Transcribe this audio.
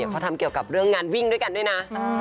เขาทำเกี่ยวกับเรื่องงานวิ่งด้วยกันด้วยนะ